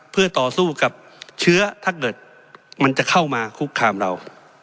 เพื่อต่อสู้กับเชื้อถ้าเกิดมันจะเข้ามาคุกคามเรา